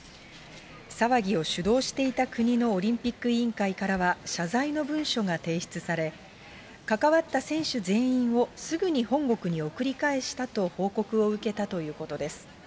騒ぎを主導していた国のオリンピック委員会からは、謝罪の文書が提出され、関わった選手全員を、すぐに本国に送り返したと報告を受けたということです。